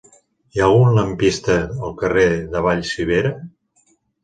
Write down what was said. Hi ha algun lampista al carrer de Vallcivera?